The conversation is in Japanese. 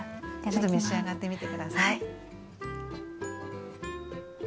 ちょっと召し上がってみて下さい。